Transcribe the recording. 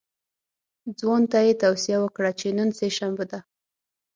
ځوان ته یې توصیه وکړه چې نن سه شنبه ده.